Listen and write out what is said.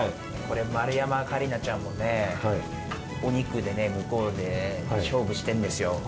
これ丸山桂里奈ちゃんもお肉で向こうで勝負してんですよ。